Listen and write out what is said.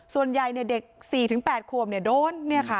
ส่วนใหญ่เด็ก๔๘ขวบโดน